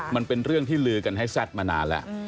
มันเป็นเรื่องที่ลือกันให้แซ่ดมานานแล้ว